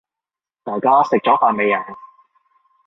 大家食咗飯未呀？